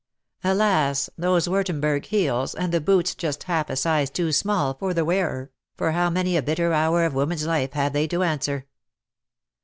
Alas ! those Wurtemburg heels, and the boots just half a size too small for the wearer, for how many a bitter hour of woman's life have they to answer